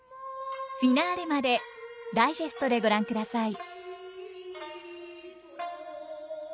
フィナーレまでダイジェストでご覧ください。